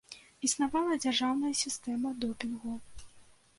Існавала дзяржаўная сістэма допінгу.